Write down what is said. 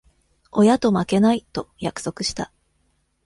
親と負けない、と約束した。